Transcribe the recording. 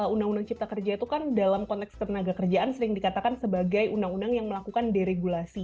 undang undang cipta kerja itu kan dalam konteks tenaga kerjaan sering dikatakan sebagai undang undang yang melakukan deregulasi